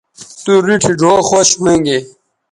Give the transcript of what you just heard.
تو ریٹھی ڙھؤ خوشی ھویں گے